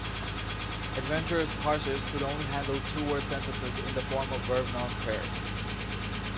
Adventure's parsers could only handle two-word sentences in the form of verb-noun pairs.